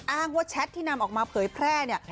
อ้างว่าแชทที่นำออกมาเผยแพร่เนี่ย